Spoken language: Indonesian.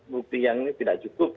bukti yang tidak cukup